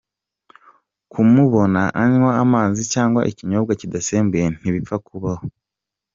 Kumubona anywa amazi cyangwa ikinyobwa kidasembuye ntibipfa kubaho .